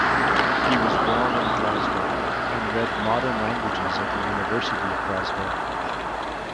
He was born in Glasgow, and read Modern Languages at the University of Glasgow.